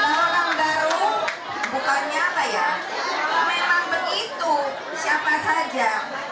orang baru bukannya apa ya memang begitu siapa saja